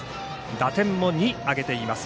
打点も２、挙げています。